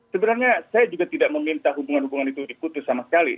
sebenarnya saya juga tidak meminta hubungan hubungan itu diputus sama sekali